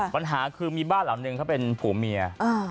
ปัญหาคือมีบ้านหลังนึงเขาเป็นผัวเมีย